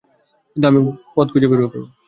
কিন্তু আমি খুঁজে বের করবো।